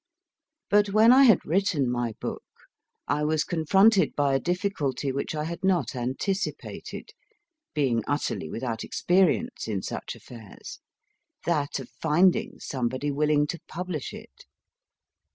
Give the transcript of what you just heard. But when I had written my book I was confronted by a difficulty which I had not anticipated, being utterly without experience in such affairs that of finding somebody willing to publish it.